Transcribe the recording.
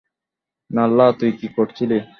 নাল্লা, তুই কি করছিলি?